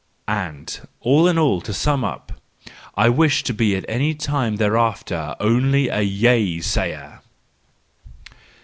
And all in all, to sum up : I wish to be at any time hereafter only a yea sayer!